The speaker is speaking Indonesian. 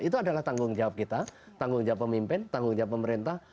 itu adalah tanggung jawab kita tanggung jawab pemimpin tanggung jawab pemerintah